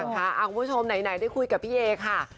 คุณผู้ชมไหนได้คุยกับพี่เอค่ะ